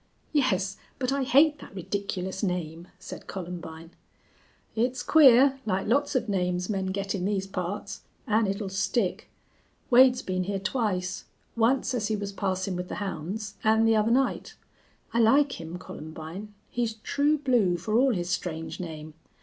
"Yes. But I hate that ridiculous name," said Columbine. "It's queer, like lots of names men get in these parts. An' it'll stick. Wade's been here twice; once as he was passin' with the hounds, an' the other night. I like him, Columbine. He's true blue, for all his strange name.